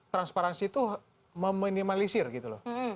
transparansi itu meminimalisir gitu loh